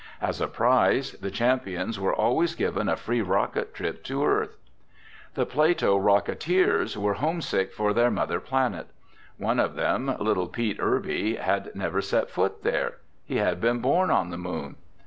As a prize, the champions were always given a free rocket trip to Earth. The Plato Rocketeers were homesick for their mother planet. One of them, little Pete Irby, had never set foot there. He had been born on the Moon.